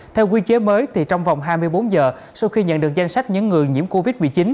theo quy chế mới thì trong vòng hai mươi bốn giờ sau khi nhận được danh sách những người nhiễm covid một mươi chín